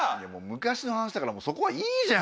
昔の話だからそこはいいじゃん。